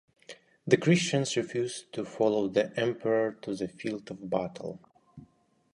The Christians refused to follow the Emperor to the field of battle.